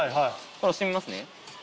これ押してみますね。